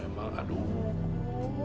kalian memang aduh